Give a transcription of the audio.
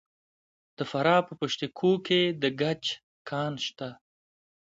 د فراه په پشت کوه کې د ګچ کان شته.